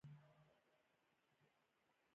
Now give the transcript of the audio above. افغانستان له سمندر نه شتون ډک دی.